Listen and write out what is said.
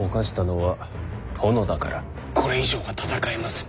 これ以上は戦えませぬ。